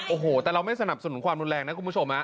โอ้โหแต่เราไม่สนับสนุนความรุนแรงนะคุณผู้ชม